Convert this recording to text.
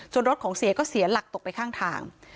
รถของเสียก็เสียหลักตกไปข้างทาง